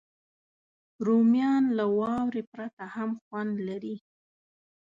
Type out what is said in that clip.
رومیان له واورې پرته هم خوند لري